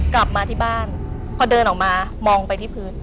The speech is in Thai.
กลับมาที่บ้านพอเดินออกมามองไปที่พื้น